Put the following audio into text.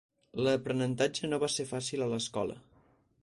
L'aprenentatge no va ser fàcil a l'escola.